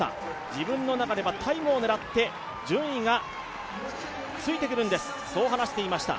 自分の中ではタイムを狙って順位がついてくるんです、そう話していました。